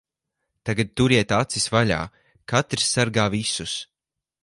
Tagad turiet acis vaļā. Katrs sargā visus.